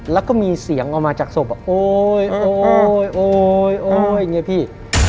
แล้วก็มีเสียงออกมาจากศพโอ๊ยโอ๊ยโอ๊ยโอ๊ยอย่างนี้พี่